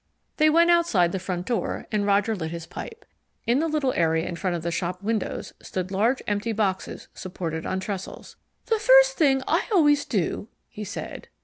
They went outside the front door, and Roger lit his pipe. In the little area in front of the shop windows stood large empty boxes supported on trestles. "The first thing I always do ," he said.